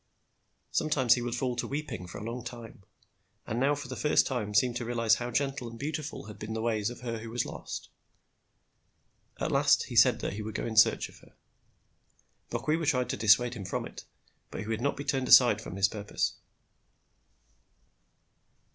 Sometimes he would fall to weeping for a long time, and now for the first time seemed to realise how gentle and beautiful had been the ways of her who was lost. At last he said that he would go in search of her. Bokwewa tried to dissuade him from it; but he would not be turned aside from his purpose.